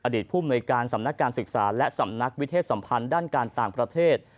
ผู้มนุยการสำนักการศึกษาและสำนักวิเทศสัมพันธ์ด้านการต่างประเทศ